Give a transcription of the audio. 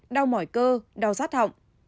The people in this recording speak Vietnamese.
đau mỏi cơ đau giác thọng